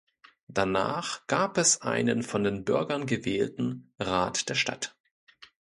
Danach gab es einen von den Bürgern gewählten "Rat der Stadt".